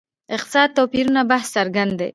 اقتصادي توپیرونو بحث څرګند دی.